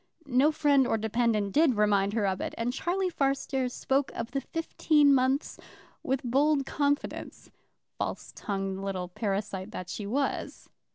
No friend or dependent did remind her of it, and Charlie Fairstairs spoke of the fifteen months with bold confidence, false tongued little parasite that she was.